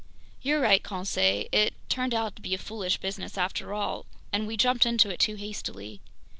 "You're right, Conseil, it turned out to be a foolish business after all, and we jumped into it too hastily.